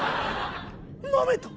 なめた。